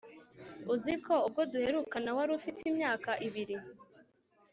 uziko ubwo duherukana warufite imyaka ibiri